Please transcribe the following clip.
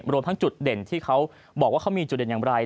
รวมทั้งจุดเด่นที่เขาบอกว่าเขามีจุดเด่นอย่างไร